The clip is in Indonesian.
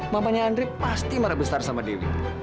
mamanya andri pasti marah besar sama dewi